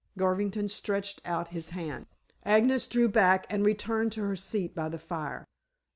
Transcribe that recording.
Garvington stretched out his hand. Agnes drew back and returned to her seat by the fire.